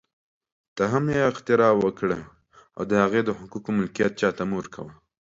ته هم اختراع وکړه او د هغې د حقوقو ملکیت چا ته مه ورکوه